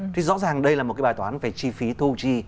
thì rõ ràng đây là một cái bài toán về chi phí thu chi